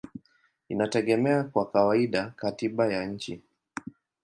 inategemea kwa kawaida katiba ya nchi.